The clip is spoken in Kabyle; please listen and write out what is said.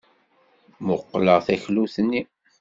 Mmuqqleɣ taklut-nni.